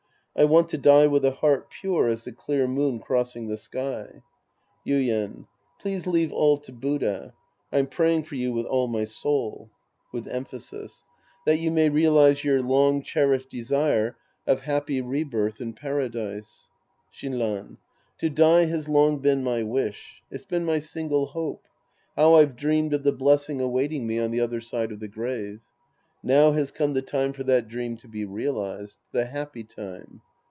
I want to die with a heart pure as the clear moon crossing the sky. Yuien. Please leave all to Buddha. I'm praying for you with all my soul. {With emphasis.) That Sc. II The Priest and His Disciples 229 you may realize your long cherished desire of happy rebirth in Paradise. Shinran. To die has long been my wish. It's been my single hope. How I've dreamed of the blessing awaiting me on the other side of the grave ! Now has come the time for that dream to be realized. The happy time.